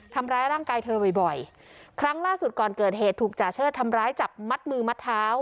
ทำร้ายร่างกายเธอบ่อยบ่อยครั้งล่าสุดก่อนเกิดเหตุถูกจ่าเชิดทำร้ายจับมัดมือมัดเท้า